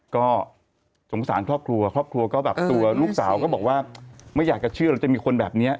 ก็สงสารครอบครัวครอบครัวก็แบบตัวลูกสาวก็บอกว่าไม่อยากจะเชื่อเราจะมีคนแบบนี้